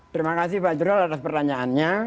terima kasih pak jurol atas pertanyaannya